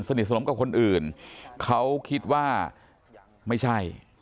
สนมกับคนอื่นเขาคิดว่าไม่ใช่